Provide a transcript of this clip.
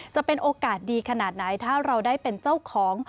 จะเป็นโอกาสดีขนาดไหนถ้าเราได้เป็นเจ้าของ